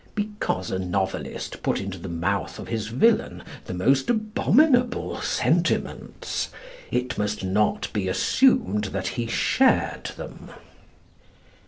Because a novelist put into the mouth of his villain the most abominable sentiments it must not be assumed that he shared them.